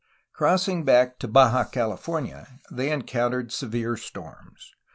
Crossing back to Baja California they encountered severe storms.